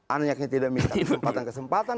anaknya tidak minta kesempatan kesempatan